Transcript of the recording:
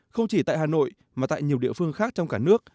không chỉ tại hà nội mà tại nhiều địa phương khác trong cả nước